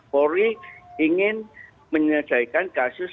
polri ingin menyelesaikan kasus